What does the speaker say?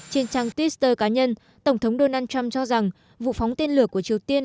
trên trang twitter cá nhân tổng thống donald trump cho rằng vụ phóng tên lửa của triều tiên